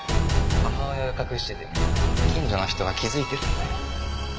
母親が隠してても近所の人は気づいてるんだよ。